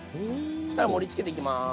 そしたら盛りつけていきます。